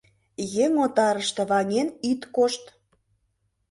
Еҥ отарыште ваҥен ит кошт!